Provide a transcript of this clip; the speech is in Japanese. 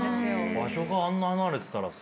場所があんな離れてたらさ。